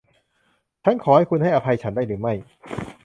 ฉันขอให้คุณให้อภัยฉันได้หรือไม่